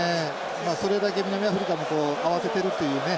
それだけ南アフリカも慌ててるというね